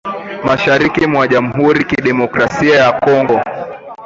mashariki mwa jamhuri ya kidemokrasia ya Kongo